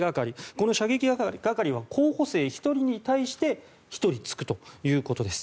この射撃係は候補生１人に対して１人つくということです。